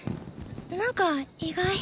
なんか意外。